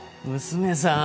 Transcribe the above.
娘さん